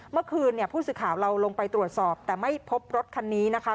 เมื่อคืนเนี่ยผู้สื่อข่าวเราลงไปตรวจสอบแต่ไม่พบรถคันนี้นะคะ